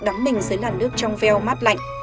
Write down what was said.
đắm mình dưới làn nước trong veo mát lạnh